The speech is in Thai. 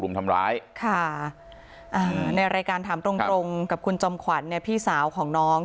ลุงทำร้ายในรายการถามตรงกับคุณจมขวัญพี่สาวของน้อง